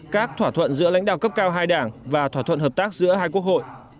các thỏa thuận giữa lãnh đạo cấp cao hai đảng và thỏa thuận hợp tác giữa hai quốc hội